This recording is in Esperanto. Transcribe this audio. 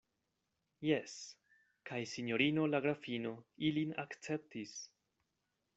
Jes, kaj sinjorino la grafino ilin akceptis.